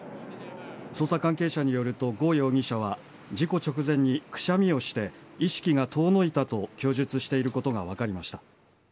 捜査関係者によるとゴ容疑者は事故直前にくしゃみをして意識が遠のいたと供述していることが分かりました。